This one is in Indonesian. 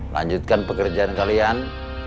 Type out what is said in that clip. lanjutkan pekerjaan kalian